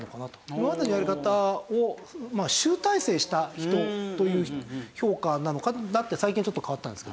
今までのやり方を集大成した人という評価なのかなって最近ちょっと変わったんですけどね。